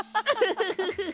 フフフフ。